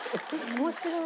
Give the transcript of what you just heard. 面白い。